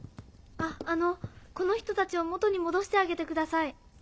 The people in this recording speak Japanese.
ああのこの人たちを元に戻してあげてください。